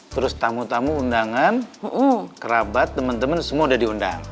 terus tamu tamu undangan kerabat teman teman semua udah diundang